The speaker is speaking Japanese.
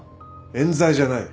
冤罪じゃない。